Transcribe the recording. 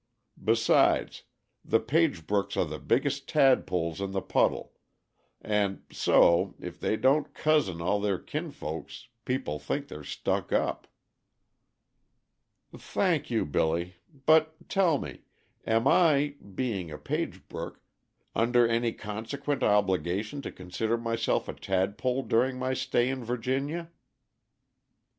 Besides, the Pagebrooks are the biggest tadpoles in the puddle; and so, if they don't 'cousin' all their kin folks people think they're stuck up." "Thank you, Billy; but tell me, am I, being a Pagebrook, under any consequent obligation to consider myself a tadpole during my stay in Virginia?"